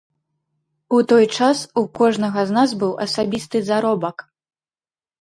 У той час у кожнага з нас быў асабісты заробак.